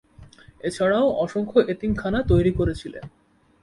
এছাড়াও অসংখ্য এতিমখানা তৈরি করেছিলেন।